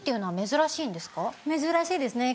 珍しいですね。